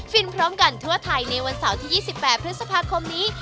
พร้อมกันทั่วไทยในวันเสาร์ที่๒๘พฤษภาคมนี้